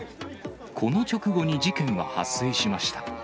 この直後に事件は発生しました。